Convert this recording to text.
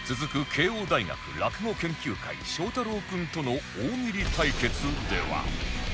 慶應大学落語研究会祥太郎君との大喜利対決では